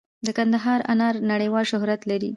د کندهار انار نړیوال شهرت لري.